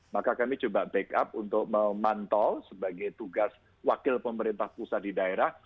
maka kami coba backup untuk memantau sebagai tugas wakil pemerintah pusat di daerah